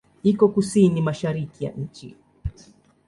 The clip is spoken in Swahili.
Iko kusini-mashariki ya nchi.